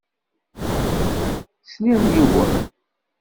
Sliɣ yiwen.